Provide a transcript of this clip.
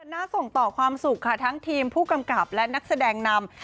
น่าส่งต่อความสุขค่ะทั้งทีมผู้กำกับและนักแสดงนำ